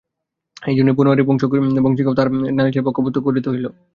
এইজন্যই বনোয়ারি বংশীকেও তাহার নালিশের পক্ষভুক্ত করিতে চাহিল।